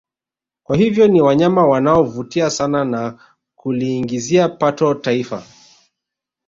Kwa hiyo ni wanyama wanao vutia sana na kuliingizia pato taifa